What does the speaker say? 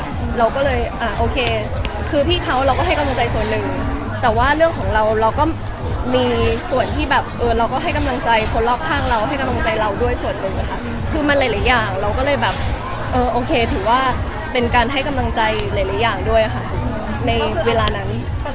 เราก็เลยอ่าโอเคคือพี่เขาเราก็ให้กำลังใจส่วนหนึ่งแต่ว่าเรื่องของเราเราก็มีส่วนที่แบบเออเราก็ให้กำลังใจคนรอบข้างเราให้กำลังใจเราด้วยส่วนหนึ่งค่ะคือมันหลายหลายอย่างเราก็เลยแบบเออโอเคถือว่าเป็นการให้กำลังใจหลายหลายอย่างด้วยค่ะในเวลานั้น